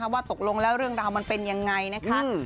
ว่าตกลงแล้วเรื่องราวมันเป็นยังไงนะคะ